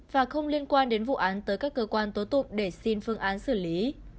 và không liên quan đến vụ án tới các cơ quan tố tụng để xin phương án xử lý